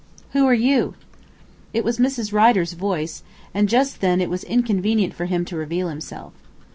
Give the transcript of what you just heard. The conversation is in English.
"Who are you?" It was Mrs. Rider's voice, and just then it was inconvenient for him to reveal himself.